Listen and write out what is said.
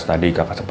dua tiga dua